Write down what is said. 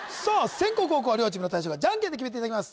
先攻後攻は両チームの大将がジャンケンで決めていただきます